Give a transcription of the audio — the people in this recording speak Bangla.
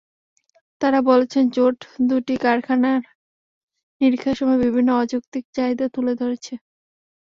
তাঁরা বলেছেন, জোট দুটি কারখানা নিরীক্ষার সময় বিভিন্ন অযৌক্তিক চাহিদা তুলে ধরছে।